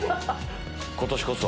今年こそ。